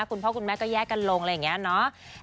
คุณพ่อคุณแม่ก็แยกกันลงอะไรอย่างนี้เนาะ